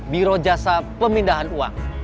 biro jasa pemindahan uang